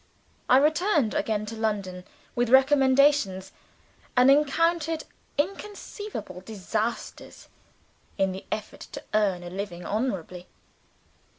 I returned again to London, with recommendations: and encountered inconceivable disasters in the effort to earn a living honorably.